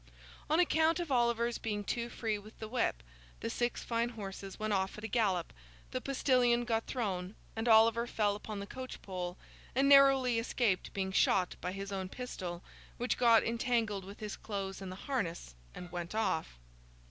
On account of Oliver's being too free with the whip, the six fine horses went off at a gallop, the postillion got thrown, and Oliver fell upon the coach pole and narrowly escaped being shot by his own pistol, which got entangled with his clothes in the harness, and went off.